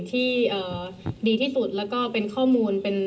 เธออยากให้ชี้แจ่งความจริง